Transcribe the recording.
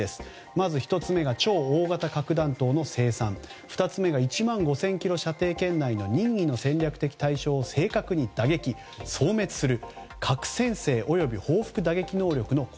まず、１つ目が超大型核弾頭の生産２つ目が１万５０００ｋｍ射程圏内の任意の戦略的対象を正確に打撃掃滅する。